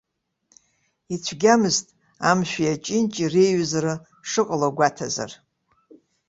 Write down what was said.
Ицәгьамызт, амшәи аҷынҷеи реиҩызара шыҟало гәаҭазар.